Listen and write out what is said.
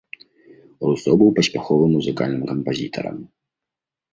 Русо быў паспяховым музыкальным кампазітарам.